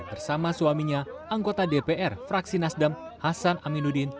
bersama suaminya anggota dpr fraksi nasdem hasan aminuddin